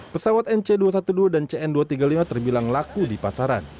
pesawat nc dua ratus dua belas dan cn dua ratus tiga puluh lima terbilang laku di pasaran